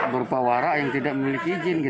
berpawara yang tidak memiliki izin